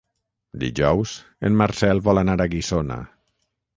Dijous en Marcel vol anar a Guissona.